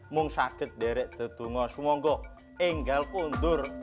mengsakit derek tetunga semoga enggal kundur